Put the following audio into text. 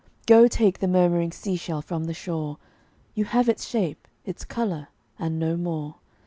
Go take the murmuring sea shell from the shore: You have its shape, its color and no more.